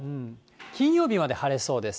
金曜日まで晴れそうです。